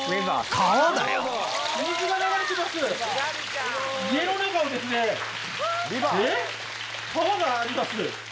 川があります。